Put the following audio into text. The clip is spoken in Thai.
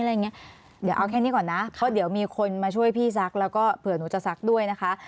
เดี๋ยวเอาแค่นี้ก่อนนะเพราะเดี๋ยวมีคนมาช่วยพี่ซักแล้วก็เผื่อหนูจะซักด้วยนะคะ